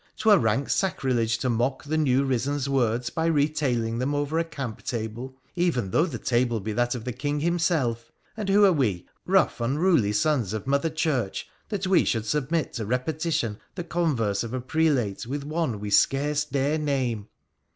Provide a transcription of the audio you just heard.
'Twere rank sacrilege to mock the new risen's words by retailing them over a camp table, even though the table be that of the King himself; and who are we, rough, unruly sons of Mother Church, that we should submit to repetition the converse of a prelate with one we scarce dare name